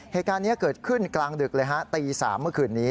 เหตุการณ์นี้เกิดขึ้นกลางดึกเลยฮะตี๓เมื่อคืนนี้